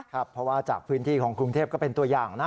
ครับเพราะว่าจากพื้นที่ของกรุงเทพก็เป็นตัวอย่างนะ